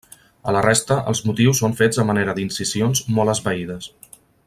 A la resta, els motius són fets a manera d'incisions molt esvaïdes.